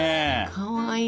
かわいい。